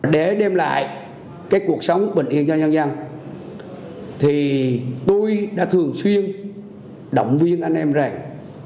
để đem lại cuộc sống bình yên cho nhân dân tôi đã thường xuyên động viên anh em rằng